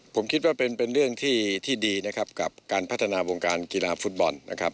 ผมคิดว่าเป็นเรื่องที่ดีกับการพัฒนาวงการกีฬาฟุตบอล